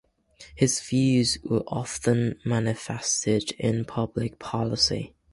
His views were often manifested in public policy.